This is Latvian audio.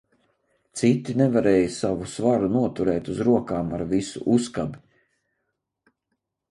Citi nevarēja savu svaru noturēt uz rokām ar visu uzkabi.